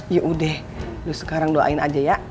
yaudah lo sekarang doain aja ya